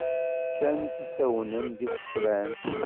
Ččan-t isawnen d ikwesran.